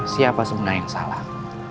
siapa sebenarnya yang salah